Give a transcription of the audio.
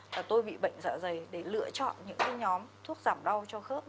là tôi bị bệnh dạ dày để lựa chọn những cái nhóm thuốc giảm đau cho khớp